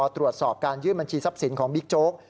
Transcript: ตรวจสอบการยื่นบัญชีทรัพย์สินของบิ๊กโจ๊ก